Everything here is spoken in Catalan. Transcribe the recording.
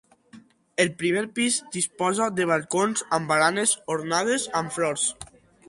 El primer pis disposa de balcons amb baranes ornades amb flors.